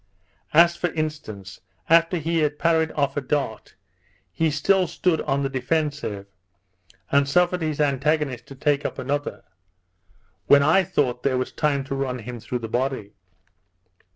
As for instance, after he had parried off a dart, he still stood on the defensive, and suffered his antagonist to take up another, when I thought there was time to run him through the body.